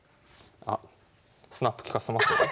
あっスナップ利かせてますね。